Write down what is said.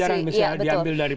apa pelajaran bisa diambil dari